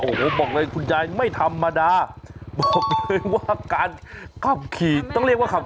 โอ้โหตกใจวิ่งนี้นะครับ